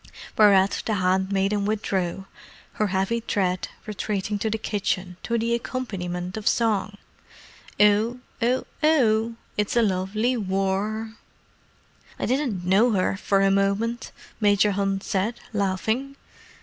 Whereat, the handmaiden withdrew, her heavy tread retreating to the kitchen to the accompaniment of song. "Ow—Ow—Ow, it's a lovely War!" "I didn't know her for a moment," Major Hunt said, laughing.